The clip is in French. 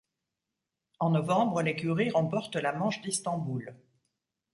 En novembre, l'écurie remporte la manche d'Istanbul.